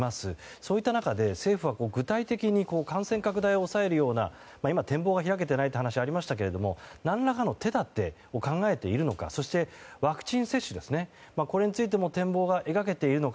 そういった中で政府は具体的に感染拡大を抑えるような今、展望が開けていないという話がありましたけれども何らかの手立てを考えているのかそして、ワクチン接種についても展望が描けているのか。